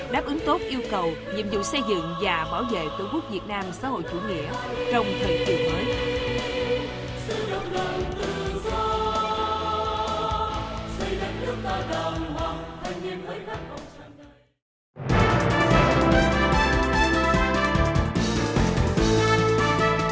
đáp ứng tốt yêu cầu nhiệm vụ xây dựng và bảo vệ tổ quốc việt nam xã hội chủ nghĩa trong thời kỳ mới